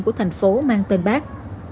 của thành phố mang tên bác